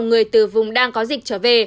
người từ vùng đang có dịch trở về